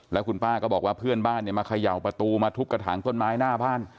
แล้วคุณป้าก็บอกว่าเพื่อนบ้านเนี่ยมาเขย่าประตูมาทุบกระถางต้นไม้หน้าบ้าน